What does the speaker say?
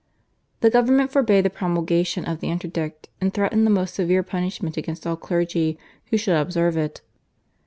The government forbade the promulgation of the interdict, and threatened the most severe punishment against all clergy who should observe it.